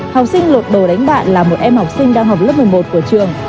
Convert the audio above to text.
học sinh lột đầu đánh bạn là một em học sinh đang học lớp một mươi một của trường